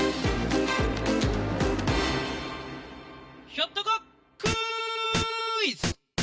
ひょっとこクイズ！